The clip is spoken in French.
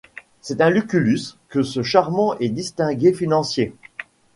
C'est un Lucullus que ce charmant et distingué financier.